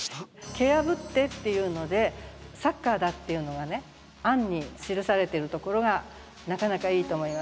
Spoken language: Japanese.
「蹴やぶって」っていうのでサッカーだっていうのが暗に記されているところがなかなかいいと思います。